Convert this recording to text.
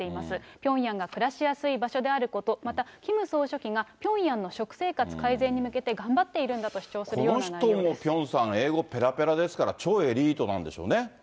ピョンヤンが暮らしやすい場所であること、また、キム総書記がピョンヤンの食生活改善に向けて頑張っているんだとこの人もピョンさん、英語ペラペラですから、超エリートなんでしょうね。